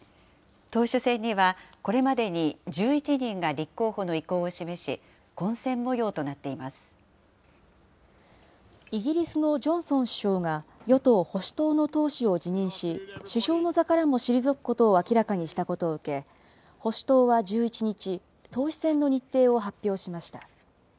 党首選には、これまでに１１人が立候補の意向を示し、混戦もイギリスのジョンソン首相が与党・保守党の党首を辞任し、首相の座からも退くことを明らかにしたことを受け、保守党は１１日、党首選の日程を発表しました。